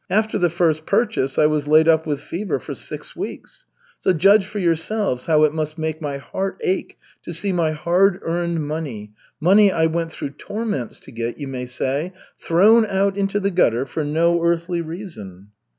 After the first purchase I was laid up with fever for six weeks. So judge for yourselves how it must make my heart ache to see my hard earned money, money I went through torments to get, you may say, thrown out into the gutter for no earthly reason."